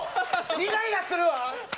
イライラするわ！